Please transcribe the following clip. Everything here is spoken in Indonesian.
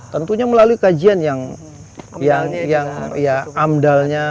tentunya melalui kajian yang amdalnya